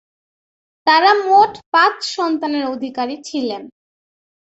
তারা মোট পাঁচ সন্তানের অধিকারী ছিলেন।